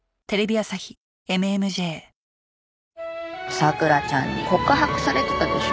桜ちゃんに告白されてたでしょ。